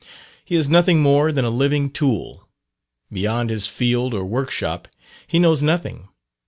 He is nothing more than a living tool. Beyond his field or workshop he knows nothing.